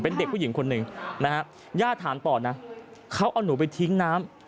เป็นเด็กผู้หญิงคนหนึ่งนะฮะญาติถามต่อนะเขาเอาหนูไปทิ้งน้ำ